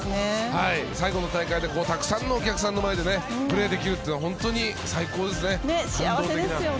最後の大会でたくさんのお客さんの前でプレーできるというのは本当に最高ですね。